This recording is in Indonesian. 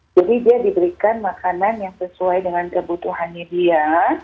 jadi dia diberikan makanan yang sesuai dengan kebutuhannya dia